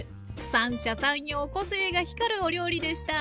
三者三様個性が光るお料理でした！